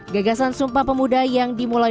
gagasan sumpah pemuda yang dimulai